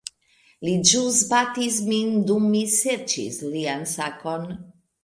Li ĵus batis min dum mi serĉis lian sakon